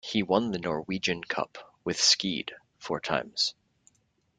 He won the Norwegian cup with Skeid four times.